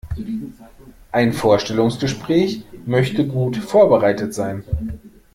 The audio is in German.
Ein Vorstellungsgespräch möchte gut vorbereitet sein.